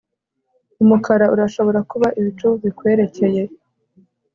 umukara urashobora kuba ibicu bikwerekeye